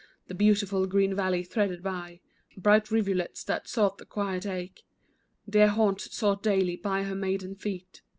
The beautiful green valley, threaded by Bright rivulets that sought the quiet lake, Dear haunts sought daily by her maiden feet.